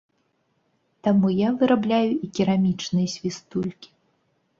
Таму я вырабляю і керамічныя свістулькі.